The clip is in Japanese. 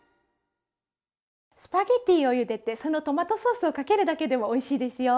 スパゲッティをゆでてそのトマトソースをかけるだけでもおいしいですよ。